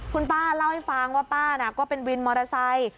คุณป้าเล่าให้ฟังว่าป้าน่ะก็เป็นวินมอเตอร์ไซค์